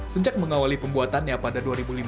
sejak mengawali pembuatannya pada dua ribu lima belas